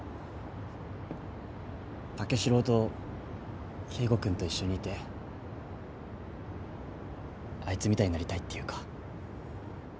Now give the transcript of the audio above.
武四郎と圭吾君と一緒にいてあいつみたいになりたいっていうか。